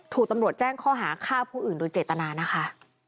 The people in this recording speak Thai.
ถูกตำรวจแจ้งข้อหาฆ่าผู้อื่นโดยเจตนานะคะ